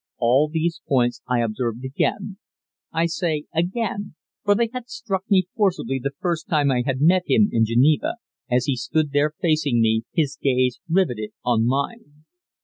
All these points I observed again I say "again," for they had struck me forcibly the first time I had met him in Geneva as he stood there facing me, his gaze riveted on mine.